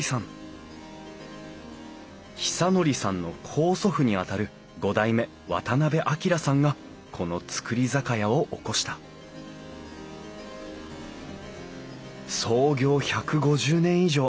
久憲さんの高祖父にあたる５代目渡章さんがこの造り酒屋を興した創業１５０年以上。